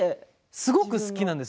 すごく好きなんです。